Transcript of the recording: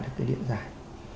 được cái điện giải